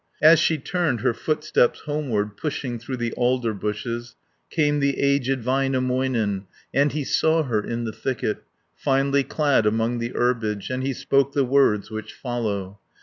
As she turned her footsteps homeward, Pushing through the alder bushes, 10 Came the aged Väinämöinen, And he saw her in the thicket, Finely clad among the herbage, And he spoke the words which follow.